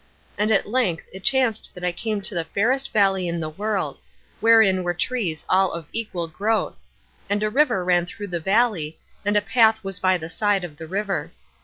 And at length it chanced that I came to the fairest valley in the world, wherein were trees all of equal growth; and a river ran through the valley, and a path was by the side of the river.